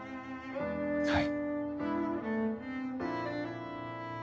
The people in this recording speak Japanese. はい。